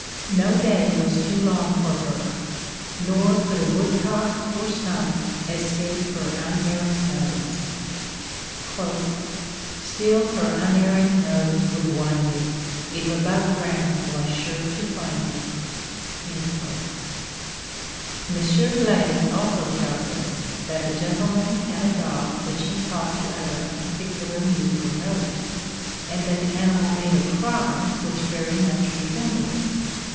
No day was too long for her, nor could a woodcock or snipe escape her "unerring nose:" "Still her unerring nose would wind it If above ground was sure to find it." Monsieur Blaze also tells us, that a gentleman had a dog which he taught to utter a particular musical note, and that the animal made a cry which very much resembled it.